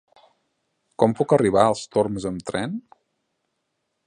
Com puc arribar als Torms amb tren?